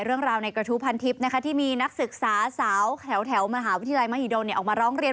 เรื่องราวในกระทู้พันทิพย์ที่มีนักศึกษาสาวแถวมหาวิทยาลัยมหิดลออกมาร้องเรียน